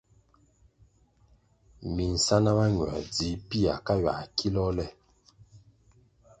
Minsáná mañuer dzi pia ka ywia kilôh le.